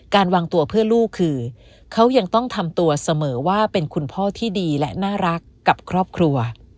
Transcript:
วางตัวเพื่อลูกคือเขายังต้องทำตัวเสมอว่าเป็นคุณพ่อที่ดีและน่ารักกับครอบครัว